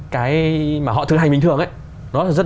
cái mà họ thực hành bình thường ấy nó rất là